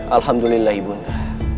alhamdulillah ibu nda